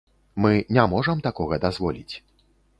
Мы не можам такога дазволіць.